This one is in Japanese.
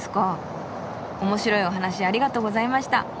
面白いお話ありがとうございました。